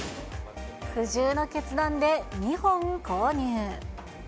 苦渋の決断で２本購入。